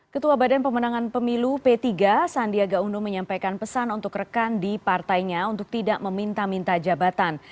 ketua badan pemenangan pemilu p tiga sandiaga uno menyampaikan pesan untuk rekan di partainya untuk tidak meminta minta jabatan